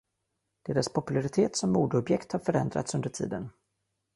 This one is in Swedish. Deras popularitet som modeobjekt har förändrats under tiden.